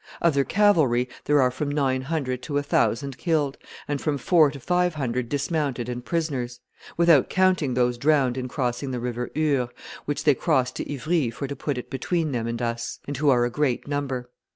Of their cavalry there are from nine hundred to a thousand killed, and from four to five hundred dismounted and prisoners; without counting those drowned in crossing the River Eure, which they crossed to Ivry for to put it between them and us, and who are a great number.